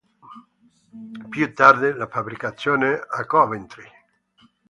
Più tardi la fabbricazione a Coventry.